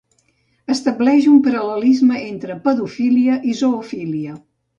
Estableix un paral·lelisme entre pedofília i zoofília.